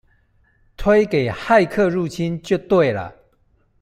推給「駭客入侵」就對了！